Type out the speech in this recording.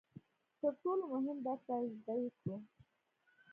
تر ټولو مهم درس باید زده یې کړو.